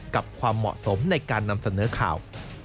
กับความเหมาะสมในการนำเสนอข่าว